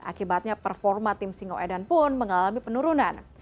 akibatnya performa tim singoedan pun mengalami penurunan